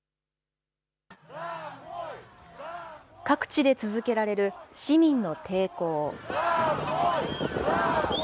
各地で続けられる市民の抵抗。